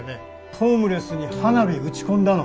ホームレスに花火打ち込んだの？